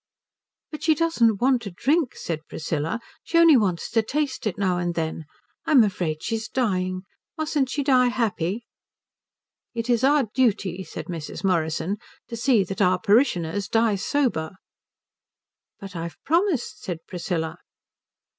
"But she doesn't want to drink," said Priscilla. "She only wants to taste it now and then. I'm afraid she's dying. Mustn't she die happy?" "It is our duty," said Mrs. Morrison, "to see that our parishioners die sober." "But I've promised," said Priscilla.